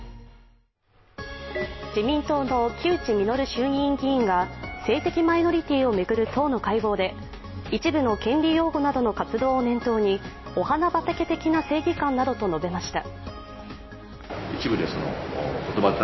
自民党の城内実衆議院議員が性的マイノリティーを巡る党の会合で一部の権利擁護などの活動を念頭に、「お花畑的な正義感」などと述べました。